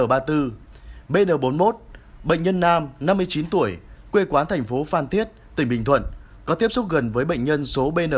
bn bốn mươi một bệnh nhân nam năm mươi chín tuổi quê quán thành phố phan thiết tỉnh bình thuận có tiếp xúc gần với bệnh nhân số bn